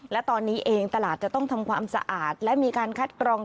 และตอนนี้เองตลาดจะต้องทำความสะอาดและมีการคัดกรอง